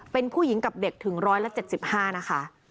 เป็นผู้หญิงกับเด็กถึง๑๗๕นะคะ